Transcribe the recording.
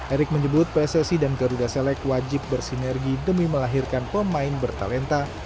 erick menyebut pssi dan garuda selek wajib bersinergi demi melahirkan pemain bertalenta